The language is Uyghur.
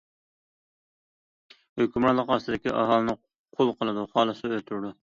ھۆكۈمرانلىقى ئاستىدىكى ئاھالىنى قۇل قىلىدۇ، خالىسا ئۆلتۈرىدۇ.